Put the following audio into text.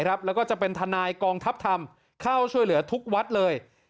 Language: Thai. แล้วก็จะเป็นทนายกองทัพธรรมเข้าช่วยเหลือทุกวัดเลย